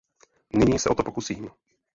Nyní se o to pokusím.